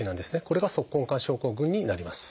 これが足根管症候群になります。